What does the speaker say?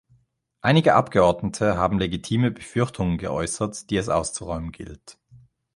Einige Abgeordnete haben legitime Befürchtungen geäußert, die es auszuräumen gilt.